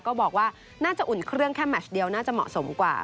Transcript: ก็บอกว่าน่าจะอุ่นเครื่องแค่แมชเดียวน่าจะเหมาะสมกว่า